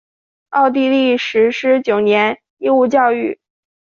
奥地利实施九年义务教育。